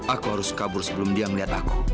aku harus kabur sebelum dia melihat aku